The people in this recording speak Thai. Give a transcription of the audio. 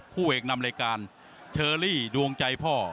คู่เอกนำรายการเชอรี่ดวงใจพ่อ